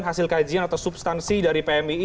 hasil kajian atau substansi dari pmii